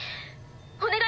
お願い